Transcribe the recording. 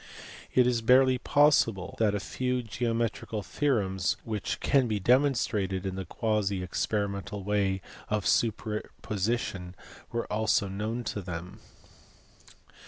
It is barely possible that a few geometrical theorems which can be demonstrated in the quasi experimental way of superposi tion were also known to them.